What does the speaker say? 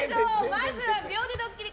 まずは、秒でドッキリ。